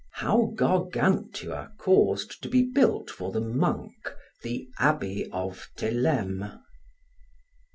How Gargantua caused to be built for the Monk the Abbey of Theleme.